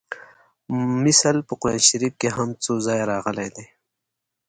مثل په قران شریف کې هم څو ځایه راغلی دی